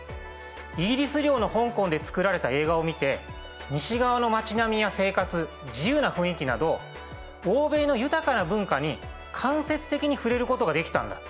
イギリス領の香港で作られた映画を見て西側の町並みや生活自由な雰囲気など欧米の豊かな文化に間接的に触れることができたんだ。